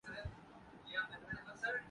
سوچنے کا مقام ہے۔